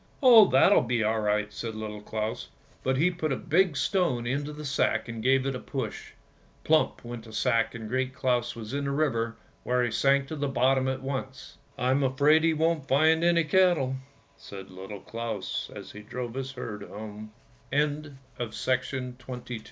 " Oh, that'll be all right," said Little Claus, but he put a big stone into the sack and gave it a push. Plump went the sack and Great Claus was in the river where he sank to the bottom at once. " I'm afraid he wont find any cattle," said Little Claus, as he dr